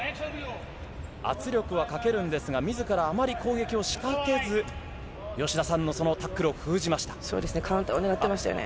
圧力はかけるんですが、みずからあまり攻撃を仕掛けず、吉田さんのそのタックルを封じまそうですね。